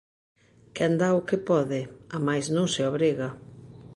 Quen dá o que pode, a máis non se obriga.